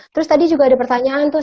terus tadi juga ada pertanyaan tuh